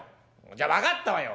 じゃ分かったわよ。